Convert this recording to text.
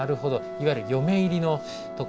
いわゆる嫁入りのところですね。